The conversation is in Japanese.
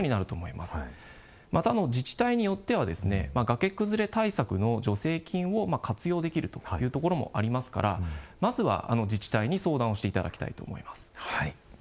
また、自治体によっては崖崩れ対策の助成金を活用できるというところもありますからまずは、自治体に相談をしていただきたいと思います。